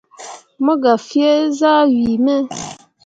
Mo gah fea zah wii me.